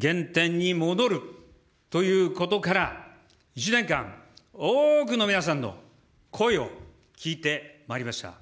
原点に戻るということから、１年間、多くの皆さんの声を聞いてまいりました。